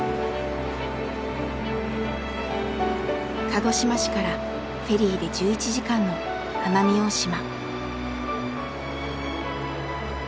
鹿児島市からフェリーで１１時間の奄美大島。